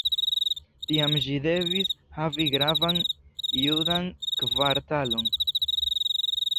Tiam ĝi devis havi gravan judan kvartalon.